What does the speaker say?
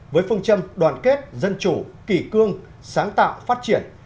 với phương châm đoàn kết dân chủ kỳ cương sáng tạo phát triển